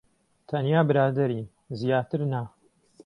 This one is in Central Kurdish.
تەنیا برادەرین. زیاتر نا.